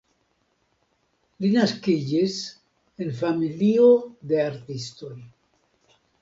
Li naskiĝis en familio de artistoj.